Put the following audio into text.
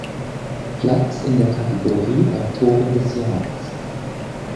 Platz in der Kategorie "Autorin des Jahres".